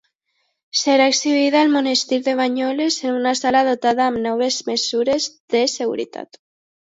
Serà exhibida al monestir de Banyoles, en una sala dotada amb noves mesures de seguretat.